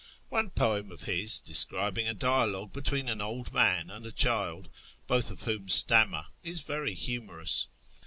One poem of his, describing a dialogue between an old man and a child, both of wdiom stammer, is very humorous.